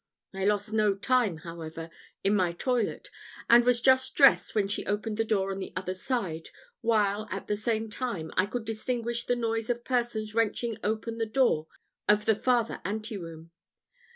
I lost no time, however, in my toilet, and was just dressed when she opened the door on the other side, while, at the same time, I could distinguish the noise of persons wrenching open the door of the farther ante room.